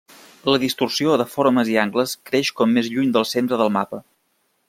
La distorsió de formes i angles creix com més lluny del centre del mapa.